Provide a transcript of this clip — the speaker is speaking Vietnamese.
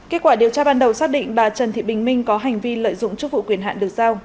kết quả điều tra ban đầu xác định bà trần thị bình minh có hành vi lợi dụng chức vụ quyền hạn được giao